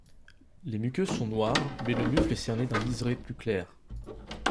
Les muqueuses sont noires mais le mufle est cerné d'un liséré plus clair.